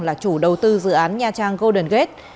là chủ đầu tư dự án nha trang golden gate